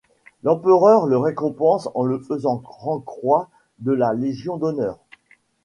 L'Empereur le récompense en le faisant grand-croix de la Légion d'honneur.